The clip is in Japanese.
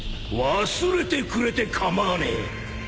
忘れてくれて構わねえ